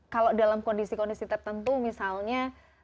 kalau dalam kondisi kondisi tertentu misalnya